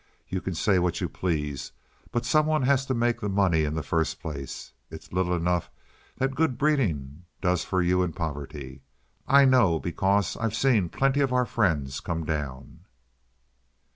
You can say what you please, but some one has to make the money in the first place. It's little enough that good breeding does for you in poverty. I know, because I've seen plenty of our friends come down."